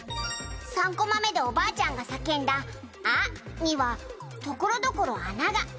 「３コマ目でおばあちゃんが叫んだ“あ”には所々穴が」